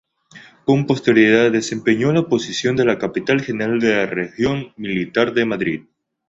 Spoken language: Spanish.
Con posterioridad desempeñó la posición de capitán general de la Región Militar de Madrid.